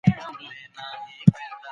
چې خپل زخمونه پرې ټکور کړي.